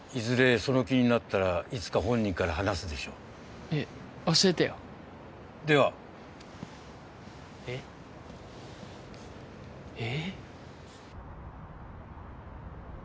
その気になったらいつか本人から話すでしょうえっ教えてよではえっえっ？